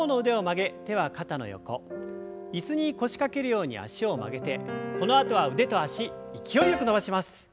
椅子に腰掛けるように脚を曲げてこのあとは腕と脚勢いよく伸ばします。